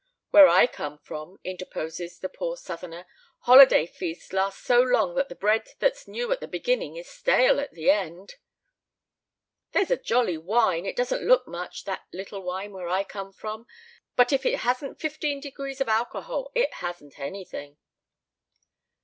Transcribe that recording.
"Where I come from," interposes the poor Southerner, "holiday feasts last so long that the bread that's new at the beginning is stale at the end!" "There's a jolly wine it doesn't look much, that little wine where I come from; but if it hasn't fifteen degrees of alcohol it hasn't anything!"